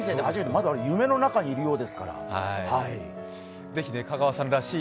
まだ夢の中にいるようですから、はい。